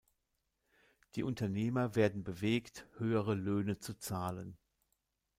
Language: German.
Die Unternehmer werden bewegt höhere Löhne zu zahlen.